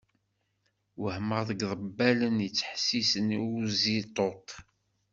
Wehmeɣ deg Iqbayliyen yettḥessisen i Uziṭuṭ!